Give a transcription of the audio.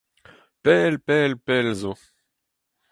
Pell pell pell zo.